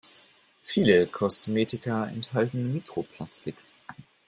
Viele Kosmetika enthalten Mikroplastik.